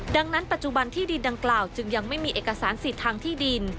ดังนั้นปัจจุบันที่ดินดังกล่าวจึงยังไม่มีเอกสารสิทธิ์ทางที่ดิน